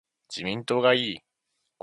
自民党がいい